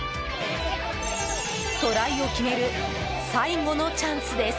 トライを決める最後のチャンスです。